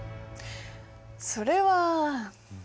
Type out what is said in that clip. それは。